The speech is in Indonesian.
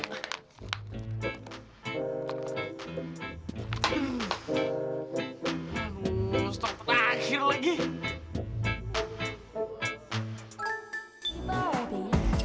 aduh stop takut akhir lagi